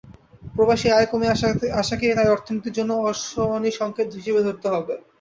প্রবাসী আয় কমে আসাকে তাই অর্থনীতির জন্য অশনিসংকেত হিসেবে ধরতে হবে।